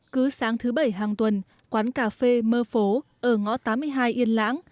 cứ sáng thứ bảy hàng tuần quán cà phê mơ phố ở ngõ tám mươi hai yên lãng